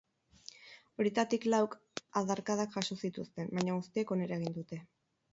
Horietatik lauk adarkadak jaso zituzten, baina guztiek onera egin dute.